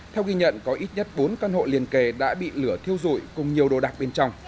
theo ghi nhận có ít nhất bốn căn hộ liền kề đã bị lửa thiêu rụi cùng nhiều đồ đạc bên trong